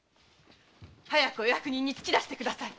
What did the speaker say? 早くお役人に突き出してください！